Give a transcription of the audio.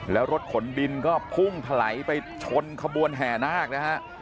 แล้วรถขนดินก็พุ่งถลายไปชนขบวนแห่นาคนะฮะ